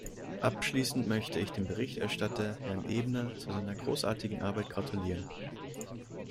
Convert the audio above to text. Abschließend möchte ich dem Berichterstatter, Herrn Ebner, zu seiner großartigen Arbeit gratulieren.